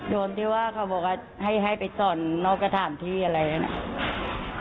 โดนที่ว่าเขาบอกให้ให้ไปตอนโน๊ะกระถ่ามที่อะไรทั้งนี้